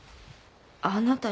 あなた。